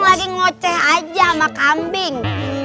lagi ngoceh aja sama kambing